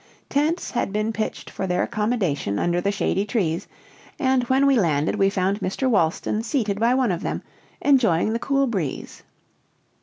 Tents had been pitched for their accommodation under the shady trees, and when we landed we found Mr. Wolston seated by one of them, enjoying the cool sea breeze.